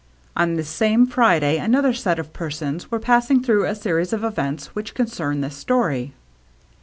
On this same Friday another set of persons were passing through a series of events which concern this story.